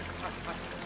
tukar peras dia